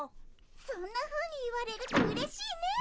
そんなふうに言われるとうれしいね。